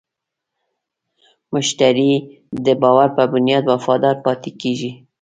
مشتری د باور په بنیاد وفادار پاتې کېږي.